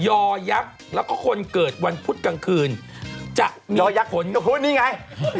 อยักษ์แล้วก็คนเกิดวันพุธกลางคืนจะยอยักษนก็พูดนี่ไง